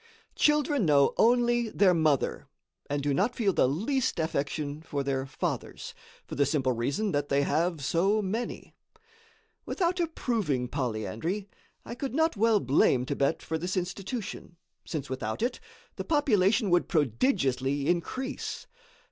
Children know only their mother, and do not feel the least affection for their fathers, for the simple reason that they have so many. Without approving polyandry, I could not well blame Thibet for this institution, since without it, the population would prodigiously increase.